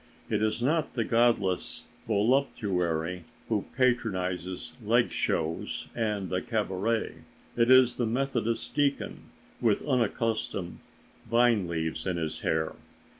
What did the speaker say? It is not the godless voluptuary who patronizes leg shows and the cabaret; it is the Methodist deacon with unaccustomed vine leaves in his hair.